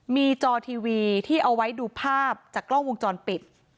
มีจอทีวีที่เอาไว้ดูภาพจากกล้องวงจรปิด